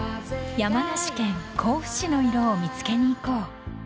［山梨県甲府市の色を見つけに行こう］